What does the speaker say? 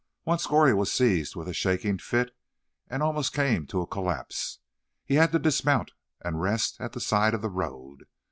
Once Goree was seized with a shaking fit, and almost came to a collapse. He had to dismount and rest at the side of the road.